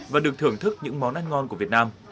và được thưởng thức những món ăn ngon của việt nam